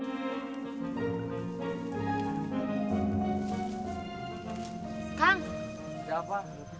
tapi dulu hari terbang yang kamu sudah bekerjasama dengan saya